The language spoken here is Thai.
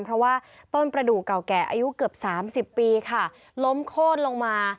เพราะว่าต้นประดูกเก่าแก่อายุเกือบ๓๐ปีค่ะล้มโค้นลงมา